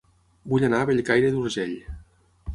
Vull anar a Bellcaire d'Urgell